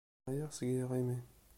Ԑyiɣ seg yiɣimi.